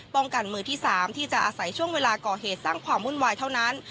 กันมือที่๓ที่จะอาศัยช่วงเวลาก่อเหตุสร้างความวุ่นวายเท่านั้น